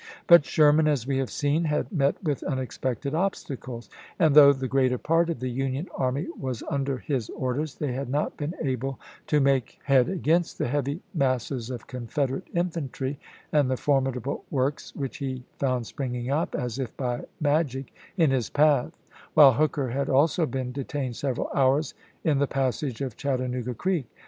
But Sherman, as we have seen, had met with unexpected obstacles; and though the gi'eater part of the Union army was under his orders, they had not been able to make head against the heavy masses of Confederate in fantry, and the formidable works which he found springing up, as if by magic, in his path; while Hooker had also been detained several hours in the passage of Chattanooga Creek.